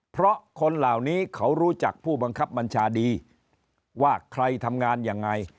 เพราะคนเหล่านี้เขารู้จักผู้บังคับบัญชาดีว่าใครทำงานยังไง